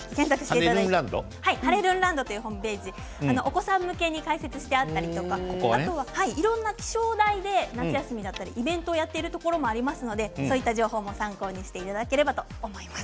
お子さん向けに解説してあったりいろんな気象台で夏休みのイベントをやっているところもありますので、そういった情報も参考にしていただければと思います。